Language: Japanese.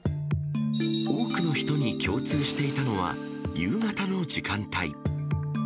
多くの人に共通していたのは、夕方の時間帯。